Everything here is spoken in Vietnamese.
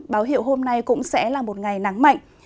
báo hiệu hôm nay cũng sẽ là một ngày nắng mạnh